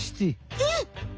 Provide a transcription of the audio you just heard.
えっ？